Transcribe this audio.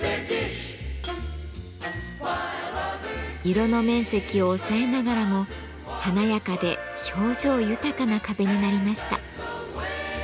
色の面積を抑えながらも華やかで表情豊かな壁になりました。